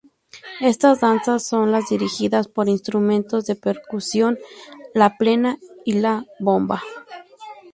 Estas danzas son las dirigida por instrumentos de percusión, la plena y la bomba.